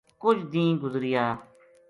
کُجھ دیہنہ گزریا